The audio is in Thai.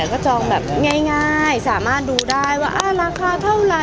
ก็จองแบบง่ายสามารถดูได้ว่าราคาเท่าไร